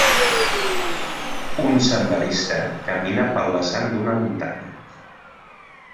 Un senderista camina pel vessant d'una muntanya.